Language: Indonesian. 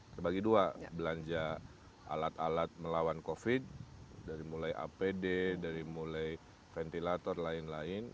terbagi dua belanja alat alat melawan covid dari mulai apd dari mulai ventilator lain lain